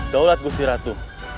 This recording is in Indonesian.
daulat gusti ratu